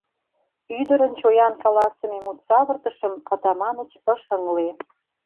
Ӱдырын чоян каласыме мут-савыртышым Атаманыч ыш ыҥле.